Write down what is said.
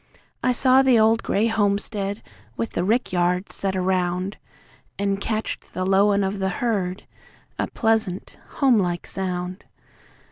I saw the old grey homestead, with the rickyard set around, An' catched the lowin' of the herd, a pleasant, homelike sound.